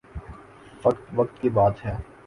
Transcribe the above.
فقط وقت کی بات ہے۔